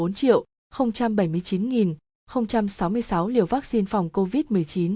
sáu mươi sáu liều vaccine phòng covid một mươi chín